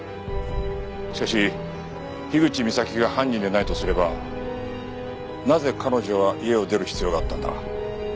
しかし口みさきが犯人でないとすればなぜ彼女は家を出る必要があったんだ？